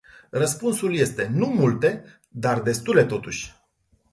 Răspunsul este nu multe, dar destule totuși.